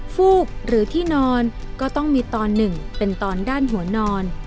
ฟูกหรือที่นอนก็ต้องมีตอนหนึ่งเป็นตอนด้านหัวนอน